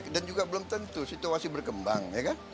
dan juga belum tentu situasi berkembang